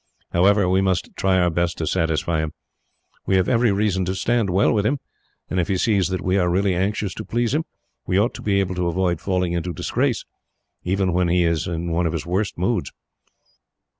However, we must try our best to satisfy him. We have every reason to stand well with him, and if he sees that we are really anxious to please him, we ought to be able to avoid falling into disgrace, even when he is in his worst moods."